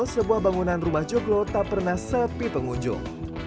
sebuah bangunan rumah joglo tak pernah sepi pengunjung